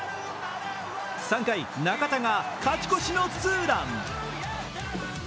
３回、中田が勝ち越しのツーラン。